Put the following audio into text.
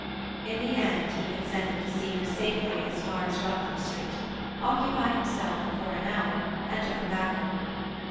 In the end he consented to see her safely as far as Rutland Street, occupy himself for an hour, and come back for her.